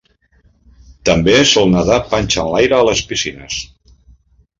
També sol nadar panxa enlaire a les piscines.